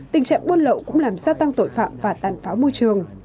tình trạng buôn lậu cũng làm sao tăng tội phạm và tàn pháo môi trường